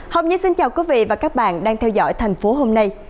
hôm nay xin chào quý vị và các bạn đang theo dõi thành phố hôm nay